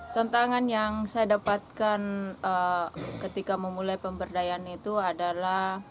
tentangan yang saya dapatkan ketika memulai pemberdayaan itu adalah